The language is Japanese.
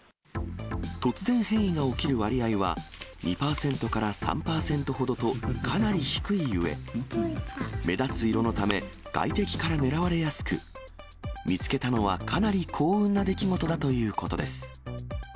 突然変異が起きる割合は、２％から３％ほどと、かなり低いうえ、目立つ色のため、外敵から狙われやすく、見つけたのはかなり幸運な出来事だということです。